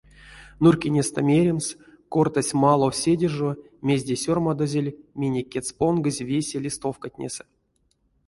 Нурькинестэ меремс, кортась малав седе жо, мезде сёрмадозель минек кедьс понгозь весе листовкатнесэ.